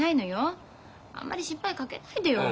あんまり心配かけないでよ。